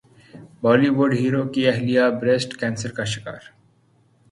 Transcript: بولی وڈ ہیرو کی اہلیہ بریسٹ کینسر کا شکار